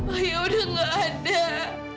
ayah udah nggak ada